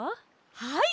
はい！